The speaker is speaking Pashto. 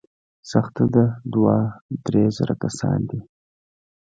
سخته ده، دوه، درې زره کسان دي.